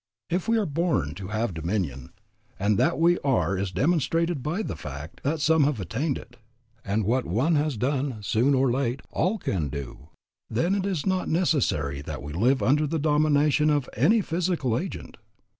If we are born to have dominion, and that we are is demonstrated by the fact that some have attained to it, and what one has done, soon or late all can do, then it is not necessary that we live under the domination of any physical agent.